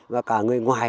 và cả người ngoài